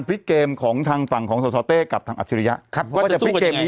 พลิกเกมของทางฝั่งของสสเต้กับทางอัจฉริยะครับว่าจะพลิกเกมนี้